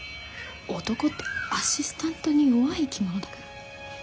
男ってアシスタントに弱い生き物だから。